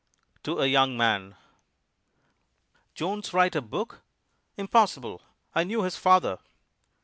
TO A YOUNG MAN "Jones write a book! Impossible! I knew his father."